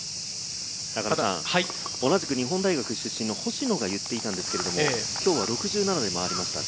同じく日本大学出身の星野が言っていたんですが、今日は６７で回りました。